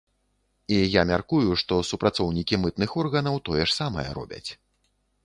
І я мяркую, што супрацоўнікі мытных органаў тое ж самае робяць.